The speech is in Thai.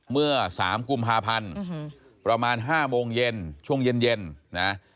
เมื่อ๓กุมภาพันธ์ประมาณ๕โมงเย็นช่วงเย็นนะ